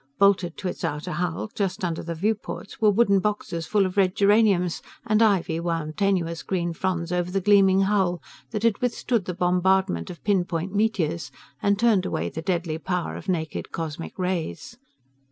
Bolted to its outer hull, just under the viewports, were wooden boxes full of red geraniums, and ivy wound tenuous green fronds over the gleaming hull that had withstood the bombardment of pinpoint meteors and turned away the deadly power of naked cosmic rays.